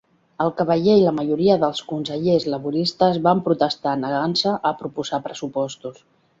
El cavaller i la majoria dels consellers laboristes van protestar negant-se a proposar pressupostos.